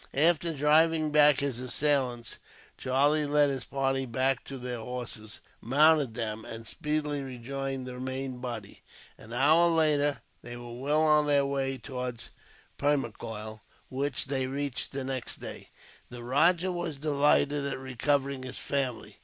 After driving back his assailants, Charlie led his party back to their horses, mounted them, and speedily rejoined the main body. An hour later they were well on their way towards Permacoil, which they reached, next day. The rajah was delighted at recovering his family.